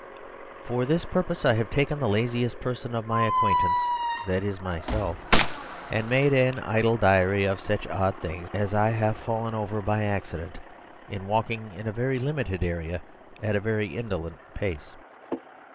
For this purpose I have taken the laziest person of my acquaintance, that is myself; and made an idle diary of such odd things as I have fallen over by accident, in walking in a very limited area at a very indolent pace.